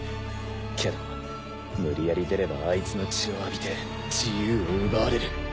けど無理やり出ればあいつの血を浴びて自由を奪われる。